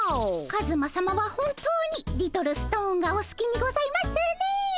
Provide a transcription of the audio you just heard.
カズマさまは本当にリトルストーンがお好きにございますねえ。